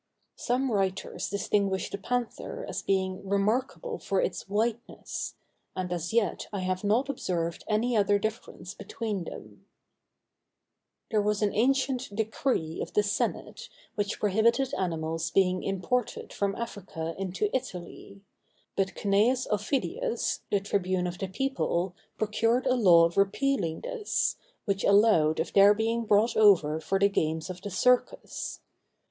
Some writers distinguish the panther as being remarkable for its whiteness: and as yet I have not observed any other difference between them. [Illustration: JAGUAR.—Leopardus Onca.] There was an ancient decree of the senate, which prohibited animals being imported from Africa into Italy; but Cnæus Aufidius, the tribune of the people, procured a law repealing this, which allowed of their being brought over for the games of the Circus.